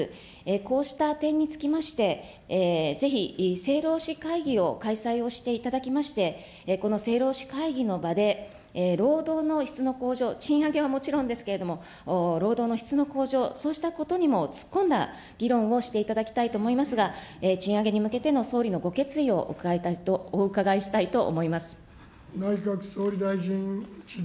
こうした点につきまして、ぜひ政労使会議を開催をしていただきまして、この政労使会議の場で、労働の質の向上、賃上げはもちろんですけれども、労働の質の向上、そうしたことにも突っ込んだ議論をしていただきたいと思いますが、賃上げに向けての総理のご決意をお伺いしたいと思います。